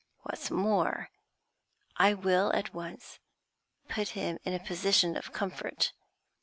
What's more, I will at once put him in a position of comfort.